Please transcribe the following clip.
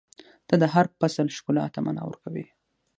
• ته د هر فصل ښکلا ته معنا ورکوې.